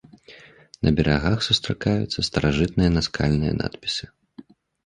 На берагах сустракаюцца старажытныя наскальныя надпісы.